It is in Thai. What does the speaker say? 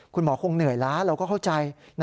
คุณหมอคงเหนื่อยล้าเราก็เข้าใจ